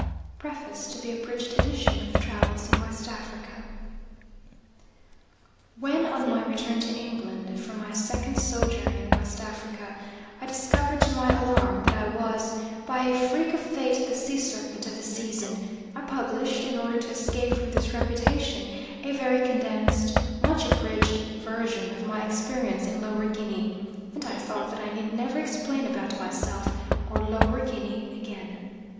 PREFACE TO THE ABRIDGED EDITION OF TRAVELS IN WEST AFRICA. When on my return to England from my second sojourn in West Africa, I discovered, to my alarm, that I was, by a freak of fate, the sea serpent of the season, I published, in order to escape from this reputation, a very condensed, much abridged version of my experiences in Lower Guinea; and I thought that I need never explain about myself or Lower Guinea again.